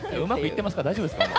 大丈夫ですか？